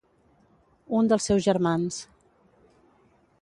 Un dels seus germans.